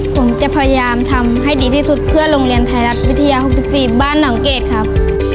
ผมจะพยายามทำให้ดีที่สุดเพื่อโรงเรียนไทยรัฐวิทยา๖๔บ้านหนองเกดครับ